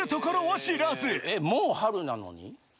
「もう春なのに」？